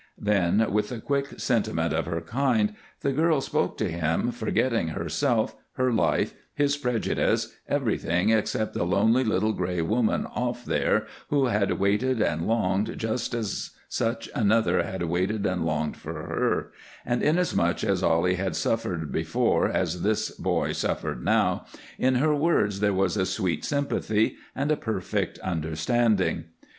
Then, with the quick sentiment of her kind, the girl spoke to him, forgetting herself, her life, his prejudice, everything except the lonely little gray woman off there who had waited and longed just as such another had waited and longed for her, and, inasmuch as Ollie had suffered before as this boy suffered now, in her words there was a sweet sympathy and a perfect understanding.